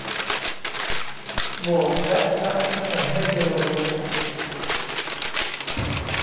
โบสถ์และพระที่ฉันไม่เคยรู้